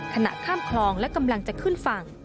ขณะข้ามคลองและกำลังจะขึ้นฝั่ง